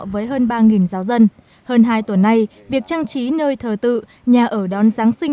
với hơn ba giáo dân hơn hai tuần nay việc trang trí nơi thờ tự nhà ở đón giáng sinh